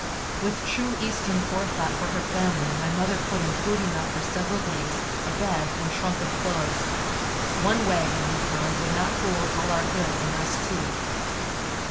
With true eastern forethought for her family my mother put in food enough for several days, a bed and trunk of clothes. One wagon, we found, would not hold all our goods and us too.